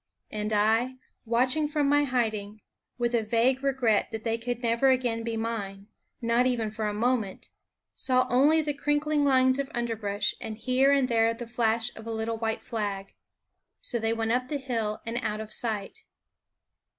And I, watching from my hiding, with a vague regret that they could never again be mine, not even for a moment, saw only the crinkling lines of underbrush and here and there the flash of a little white flag. So they went up the hill and out of sight.